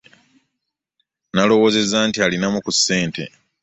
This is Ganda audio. Nalowoozezza nti alinamu ku ssente.